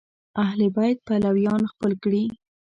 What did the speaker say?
اهل بیت پلویان خپل کړي